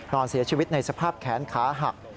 นอนเสียชีวิตในสภาพแขนขาหัก